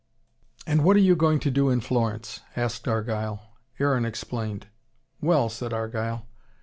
"And what are you going to do in Florence?" asked Argyle. Aaron explained. "Well," said Argyle.